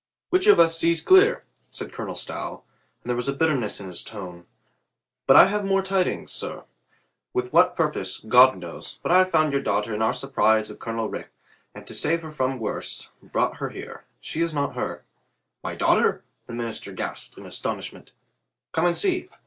"Which of us sees clear?" said Colonel Stow, and there was some bitterness in his tone. "But I have more tidingfs, sir. With what purpose, God knows, but I found your daughter in our surprise of Colonel Rich, and to save her from worse, brought her here. She is not hurt." "My daughter?" the minister gasped in astonish ment. "Come and see."